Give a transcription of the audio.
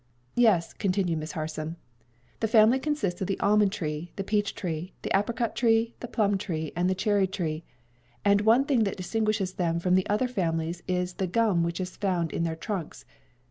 "Yes," continued Miss Harson, "the family consists of the almond tree, the peach tree, the apricot tree, the plum tree and the cherry tree; and one thing that distinguishes them from the other families is the gum which is found on their trunks.